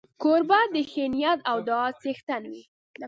کوربه د ښې نیت او دعا څښتن وي.